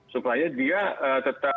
supaya dia tetap